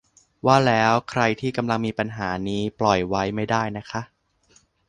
ว่าแล้วใครที่กำลังมีปัญหานี้ปล่อยไว้ไม่ได้นะคะ